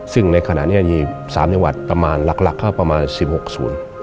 ซึ่งในขณะนี้มี๓นิวัตต์ประมาณหลักเข้าประมาณ๑๖ศูนย์